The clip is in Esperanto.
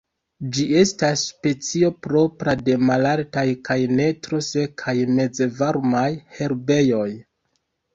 Ĝi estas specio propra de malaltaj kaj ne tro sekaj mezvarmaj herbejoj.